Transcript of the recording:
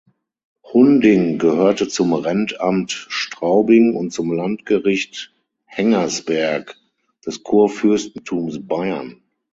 Hunding gehörte zum Rentamt Straubing und zum Landgericht Hengersberg des Kurfürstentums Bayern.